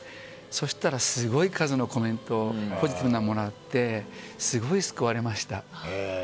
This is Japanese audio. そうしたらすごい数のコメントをもらってすごい救われました。